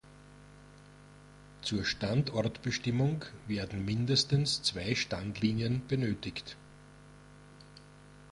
Zur Standortbestimmung werden mindestens zwei Standlinien benötigt.